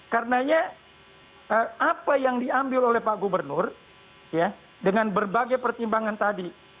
karenanya apa yang diambil oleh pak gubernur dengan berbagai pertimbangan tadi